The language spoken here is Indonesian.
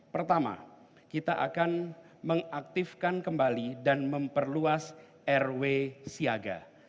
pertama kita akan mengaktifkan kembali dan memperluas rw siaga